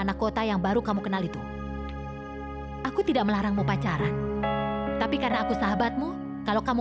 waktu aku pulang dari pasar dia masih baik baik aja